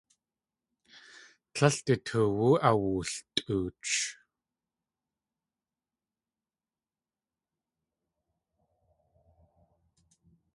Tlél du toowú awultʼooch.